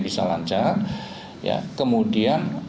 bisa lancar ya kemudian